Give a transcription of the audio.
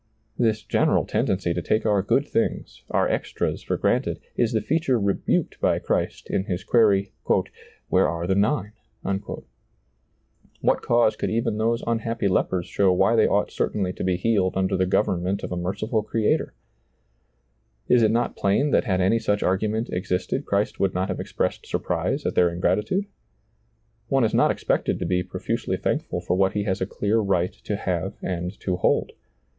This general tendency to take our good things, our extras, for granted, is the fea ture rebuked by Christ in His query, "Where are the nine ?" What cause could even those un happy lepers show why they ought certainly to be healed under the government of a merciful ^lailizccbvGoOgle A THANKSGIVING SERMON 153 Creator ? Is it not plain that had any such ai^u ment existed Christ would not have expressed sur prise at their ingratitude ? One is not expected to be profusely thankful for what he has a clear right to have and to hold.